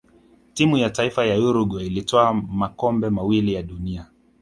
timu ya taifa ya uruguay ilitwaa makombe mawili ya duniani